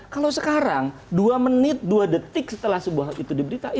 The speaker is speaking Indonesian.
kalau sekarang dua menit dua detik setelah sebuah itu diberitakan